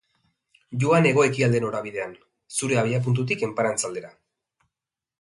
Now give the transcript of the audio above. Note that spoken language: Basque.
Joan hego-ekialde norabidean zure abiapuntutik enparantza aldera.